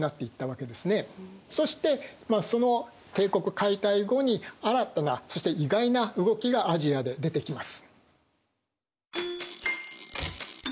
そしてその帝国解体後に新たなそして意外な動きがアジアで出てきます。